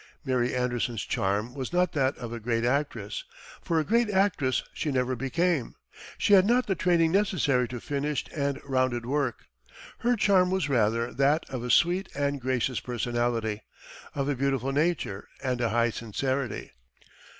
Mary Anderson's charm was not that of a great actress, for a great actress she never became. She had not the training necessary to finished and rounded work. Her charm was rather that of a sweet and gracious personality, of a beautiful nature and a high sincerity.